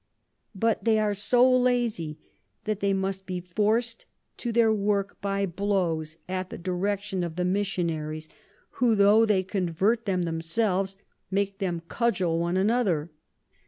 _] But they are so lazy that they must be forc'd to their work by blows, at the direction of the Missionaries, who tho they convert 'em themselves, make them cudgel one another.